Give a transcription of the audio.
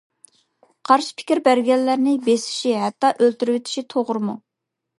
قارشى پىكىر بەرگەنلەرنى بېسىشى، ھەتتا ئۆلتۈرۈشى توغرىمۇ?